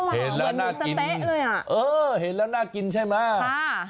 เห็นแล้วน่ากินเออเห็นแล้วน่ากินใช่ไหม